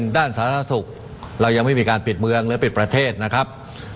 ด้านสาธารณสุขเรายังไม่มีการปิดเมืองหรือปิดประเทศนะครับ